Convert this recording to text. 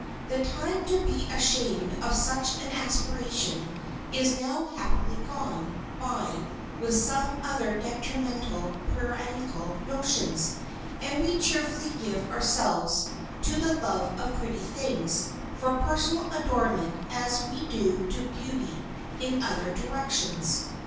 The time to be ashamed of such an aspiration is now happily gone by with some other detrimental puritanical notions, and we cheerfully give ourselves to the love of pretty things for personal adornment as we do to beauty in other directions.